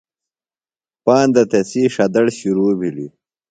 پاندہ تسی ݜدڑ شِرو بِھلیۡ۔